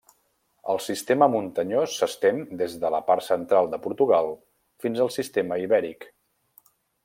El sistema muntanyós s'estén des de la part central de Portugal fins al Sistema Ibèric.